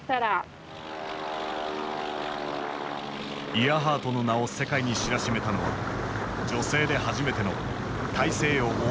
イアハートの名を世界に知らしめたのは女性で初めての大西洋横断飛行だった。